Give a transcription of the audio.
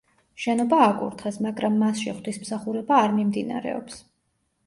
შენობა აკურთხეს, მაგრამ მასში ღვთისმსახურება არ მიმდინარეობს.